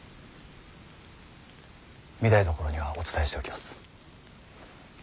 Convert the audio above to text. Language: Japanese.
御台所にはお伝えしておきます。